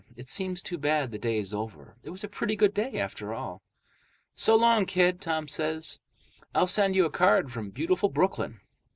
It seems too bad the day's over. It was a pretty good day, after all. "So long, kid," Tom says. "I'll send you a card from Beautiful Brooklyn!"